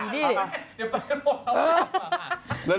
เดี๋ยวเปิดเดี๋ยวพอเล่า